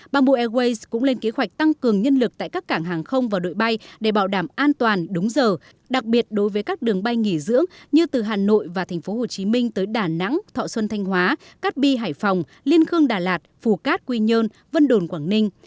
bamboo airways cũng lên kế hoạch tăng cường nhân lực tại các cảng hàng không và đội bay để bảo đảm an toàn đúng giờ đặc biệt đối với các đường bay nghỉ dưỡng như từ hà nội và tp hcm tới đà nẵng thọ xuân thanh hóa cát bi hải phòng liên khương đà lạt phù cát quy nhơn vân đồn quảng ninh